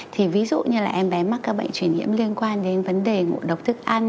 thì ví dụ như là em bé mắc các bệnh truyền nhiễm liên quan đến vấn đề ngộ độc thức ăn